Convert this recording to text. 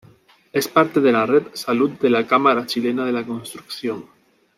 Es parte de la Red Salud de la Cámara Chilena de la Construcción.